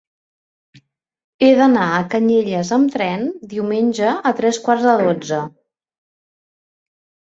He d'anar a Canyelles amb tren diumenge a tres quarts de dotze.